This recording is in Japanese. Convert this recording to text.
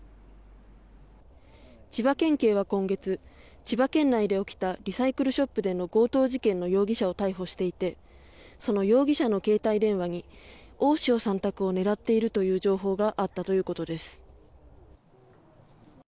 千葉県警は今月千葉県内で起きたリサイクルショップでの強盗事件の容疑者を逮捕していてその容疑者の携帯電話に大塩さん宅を狙っているという情報があったということです。